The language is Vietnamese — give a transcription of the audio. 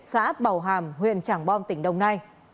xã bảo hàm huyện trảng bom tỉnh đồng nai